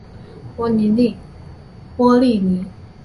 波利尼。